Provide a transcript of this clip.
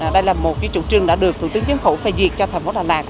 đây là một trụ trương đã được thủ tướng chính phủ phai diệt cho thành phố đà lạt